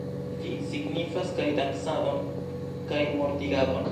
Ĝi signifas kaj dancadon kaj mortigadon